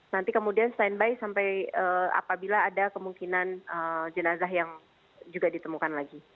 nanti kemudian standby sampai apabila ada kemungkinan jenazah yang juga ditemukan lagi